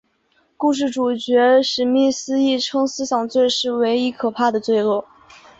故事主角史密斯亦称思想罪是唯一可怕的罪恶。